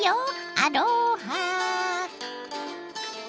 アロハ。